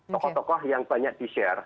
tokoh tokoh yang banyak di share